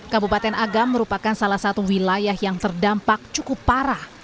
kabupaten agam merupakan salah satu wilayah yang terdampak cukup parah